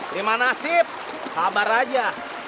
terima nasib kabar aja